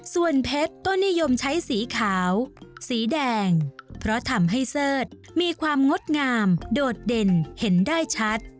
ส่วนเพชรก็นิยมใช้สีขาวสีแดงเพราะทำให้เสิร์ธมีความงดงามโดดเด่นเห็นได้ชัด